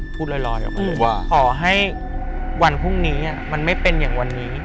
พูดลอยออกมาว่าขอให้วันพรุ่งนี้มันไม่เป็นอย่างวันนี้